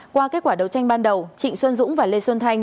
qua kết quả đấu tranh ban đầu trịnh xuân dũng và lê xuân thanh